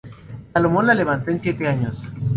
Salomón la levantó en siete años"".